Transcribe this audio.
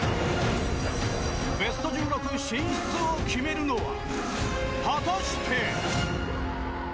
ベスト１６進出を決めるのは果たして。